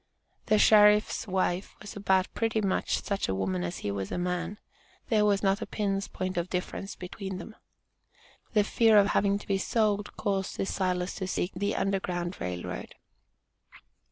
"The Sheriff's wife was about pretty much such a woman as he was a man there was not a pin's point of difference between them." The fear of having to be sold caused this Silas to seek the Underground Rail Road.